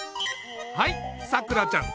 はいさくらちゃん